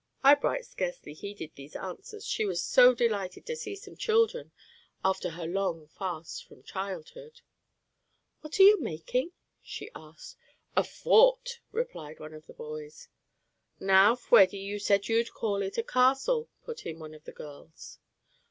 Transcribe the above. Eyebright scarcely heeded these answers, she was so delighted to see some children after her long fast from childhood. "What are you making?" she asked. "A fort," replied one of the boys. "Now, Fweddy, you said you'd call it a castle," put in one of the girls.